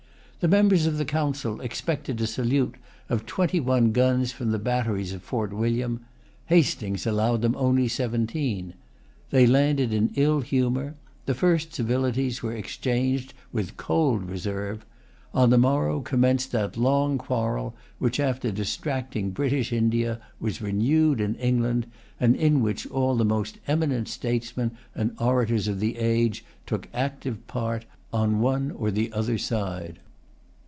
The members of Council expected a salute of twenty one guns from the batteries of Fort William. Hastings allowed them only seventeen. They landed in ill humor. The first civilities were exchanged with cold reserve. On the morrow commenced that long quarrel which, after distracting British India, was renewed in England, and in which all the most eminent statesmen and orators of the age took active part on one or the other side.